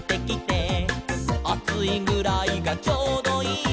「『あついぐらいがちょうどいい』」